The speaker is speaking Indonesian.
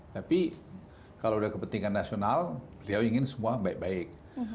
tapi kalau udah kepentingan nasional beliau ingin semua baik baik